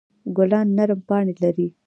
ګلان نرم پاڼې لري.